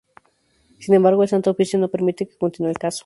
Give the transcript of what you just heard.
Sin embargo, el Santo Oficio no permite que continue el caso.